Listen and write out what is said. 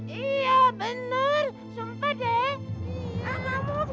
iya bener sumpah deh